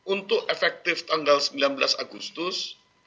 untuk efektif tanggal sembilan belas agustus